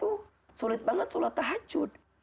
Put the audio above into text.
tuh sulit banget sholat tahajud